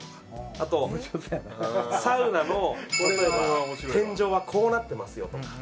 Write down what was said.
あとサウナの天井はこうなってますよとか。